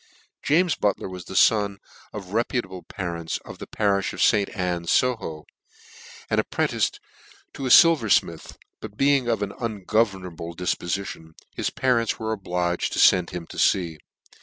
JAMES BUTLER was the fon of reputable pa rents of the parifh of St. Ann, Soho, and ap prenticed to a filverfmith ; but being of an un governable difpofition, his parents were obliged to fend him to fea.